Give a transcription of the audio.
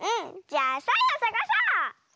じゃあサイをさがそう！